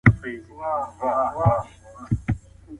رواني ګډوډۍ ضد درمل یوازې نښې له منځه وړي.